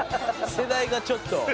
世代がちょっと。